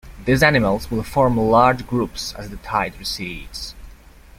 These animals will form large groups as the tide recedes.